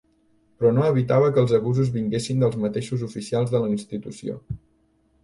Però no evitava que els abusos vinguessin dels mateixos oficials de la institució.